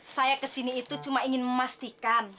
saya ke sini itu cuma ingin memastikan